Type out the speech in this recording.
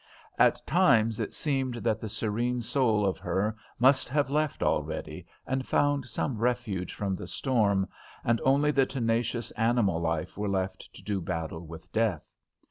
At times it seemed that the serene soul of her must have left already and found some refuge from the storm, and only the tenacious animal life were left to do battle with death.